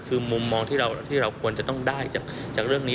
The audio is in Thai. คือมุมมองที่เราควรจะต้องได้จากเรื่องนี้